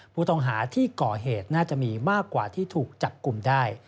ผู้ต้องหาที่ก่อเหตุน่าจะมีมากกว่าที่ถูกจับกลุ่มได้